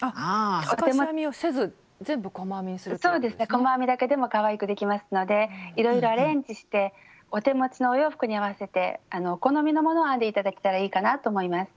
細編みだけでもかわいくできますのでいろいろアレンジしてお手持ちのお洋服に合わせてお好みのものを編んで頂けたらいいかなと思います。